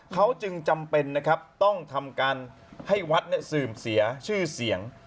เขาจึงจำเป็นต้องทำการให้วัดซื้มเสียชื่อเสี่ยง